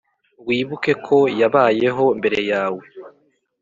wibuke ko yabayeho mbere yawe.